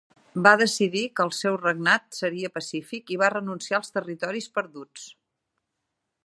Va decidir que el seu regnat seria pacífic i va renunciar als territoris perduts.